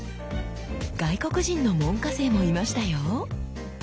外国人の門下生もいましたよ！